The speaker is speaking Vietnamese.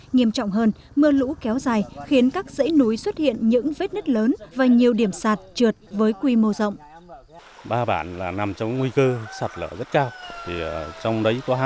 nghiêm trọng hơn mưa lũ kéo dài khiến các dãy núi xuất hiện những vết nứt lớn và nhiều điểm sạt trượt với quy mô rộng